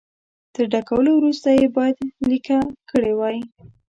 تر ډکولو وروسته یې باید لیکه کړي وای.